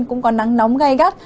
cũng có nắng nóng gai gắt